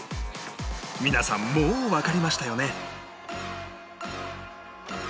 皆さんもうわかりましたよね？